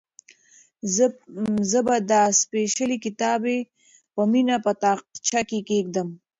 زه به دا سپېڅلی کتاب په مینه په تاقچه کې کېږدم.